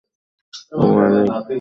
ওহ, Alec!